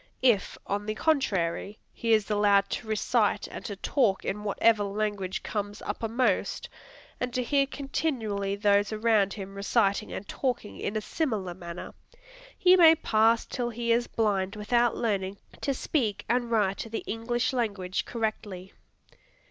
If, on the contrary, he is allowed to recite and to talk in whatever language comes uppermost, and to hear continually those around him reciting and talking in a similar manner, he may parse till he is blind without learning "to speak and write the English language correctly."